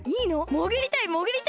もぐりたいもぐりたい！